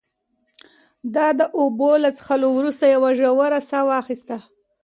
ده د اوبو له څښلو وروسته یوه ژوره ساه واخیسته.